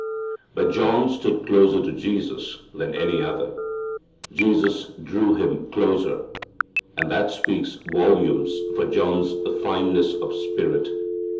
But John stood closer to Jesus than any other. Jesus drew him closer. And that speaks volumes for John's fineness of spirit.